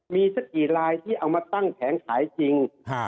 มีสักกี่ลายที่เอามาตั้งแผงขายจริง